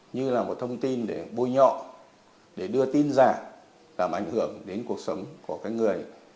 như là một thông tin để bôi nhọ để đưa tin giả làm ảnh hưởng đến cuộc sống của cái người